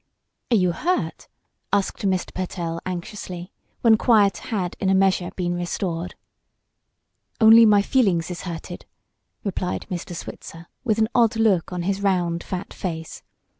"Are you hurt?" asked Mr. Pertell, anxiously, when quiet had in a measure been restored. "Only my feelings iss hurted!" replied Mr. Switzer, with an odd look on his round, fat face.